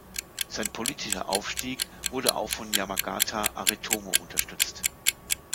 Sein politischer Aufstieg wurde auch von Yamagata Aritomo unterstützt.